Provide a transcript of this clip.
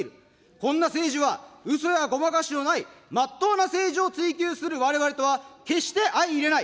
こんな政治は、うそやごまかしのない、まっとうな政治を追求するわれわれとは決して相いれない。